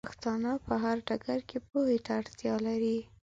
پښتانۀ په هر ډګر کې پوهې ته ډېره اړتيا لري